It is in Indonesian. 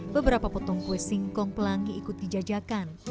beberapa potong kue singkong pelangi ikut dijajakan